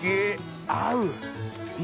合う。